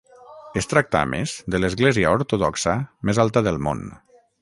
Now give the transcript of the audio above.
Es tracta, a més, de l'església ortodoxa més alta del món.